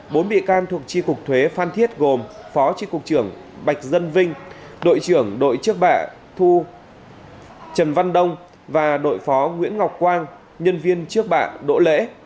bốn bị can thuộc tri cục thuế phan thiết gồm phó tri cục trưởng bạch dân vinh đội trưởng đội trước bạ thu trần văn đông và đội phó nguyễn ngọc quang nhân viên trước bạ đỗ lễ